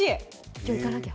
今日行かなきゃ。